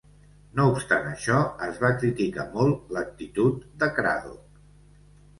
No obstant això, es va criticar molt l'actitud de Cradock.